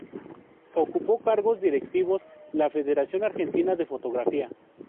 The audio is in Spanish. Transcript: Ocupó cargos directivos la Federación Argentina de Fotografía.